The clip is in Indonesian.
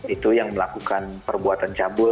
itu yang melakukan perusahaan yang tidak berhasil